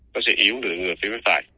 nó sẽ yếu ngược phía bên phải